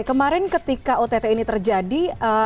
kemarin ketika ott ini terjadi